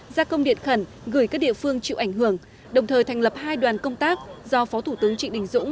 gia công điện khẩn gửi các địa phương chịu ảnh hưởng đồng thời thành lập hai đoàn công tác do phó thủ tướng trịnh đình dũng